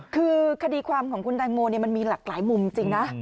คือคดีความของคุณดายโมเนี้ยมันมีหลักตลายมุมจริงนะ